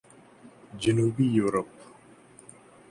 جنوبی یورپ